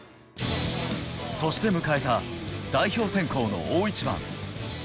そして迎えた代表選考の大一番。